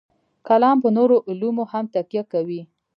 کلام پر نورو علومو هم تکیه کوي.